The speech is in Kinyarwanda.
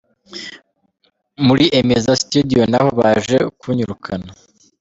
Muri Emeza Studio naho baje kunyirukana.